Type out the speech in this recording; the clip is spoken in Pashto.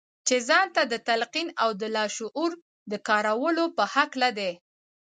چې ځان ته د تلقين او د لاشعور د کارولو په هکله دي.